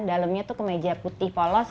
dalamnya tuh kemeja putih polos